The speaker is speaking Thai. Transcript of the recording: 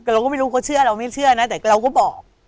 แต่เราก็ไม่รู้เขาเชื่อเราไม่เชื่อนะแต่เราก็บอก